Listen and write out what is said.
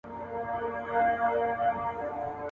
• کار چي په سلا سي، بې بلا سي.